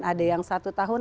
ada yang satu tahun